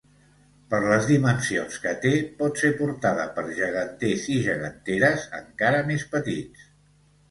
Per les dimensions que té, pot ser portada per geganters i geganteres encara més petits.